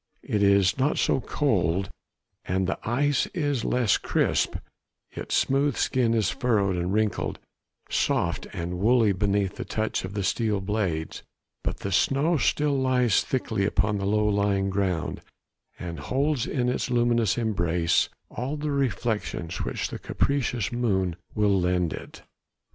It is not so cold, and the ice is less crisp, its smooth skin is furrowed and wrinkled, soft and woolly beneath the touch of the steel blades; but the snow still lies thickly upon the low lying ground, and holds in its luminous embrace all the reflections which the capricious moon will lend it.